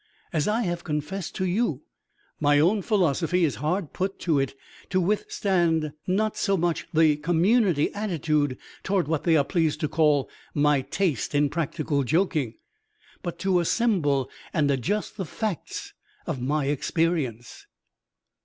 As I have confessed to you, my own philosophy is hard put to it to withstand not so much the community attitude toward what they are pleased to call my taste in practical joking, but to assemble and adjust the facts of my experience.